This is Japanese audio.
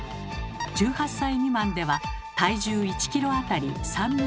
１８歳未満では体重１ｋｇあたり３ｍｇまで。